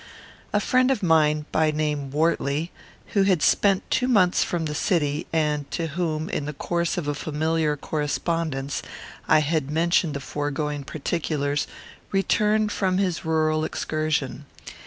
A friend of mine, by name Wortley, who had spent two months from the city, and to whom, in the course of a familiar correspondence, I had mentioned the foregoing particulars, returned from his rural excursion.